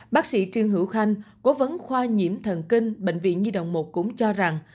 bác sĩ trương hữu khanh cố vấn khoa nhiễm thần kinh bệnh viện di động một cũng cho rằng